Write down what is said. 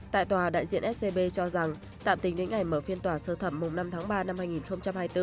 tại tòa đại diện scb cho rằng tạm tính đến ngày mở phiên tòa sơ thẩm năm tháng ba năm hai nghìn hai mươi bốn